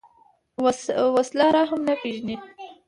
وسله رحم نه پېژني